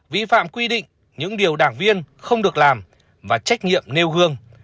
vi phạm quy định những điều đảng viên không được làm và trách nhiệm nêu gương